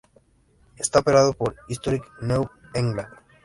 Está operado por Historic New England.